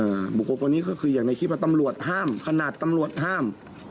บุคคลคนนี้ก็คืออย่างในคลิปว่าตำรวจห้ามขนาดตำรวจห้าม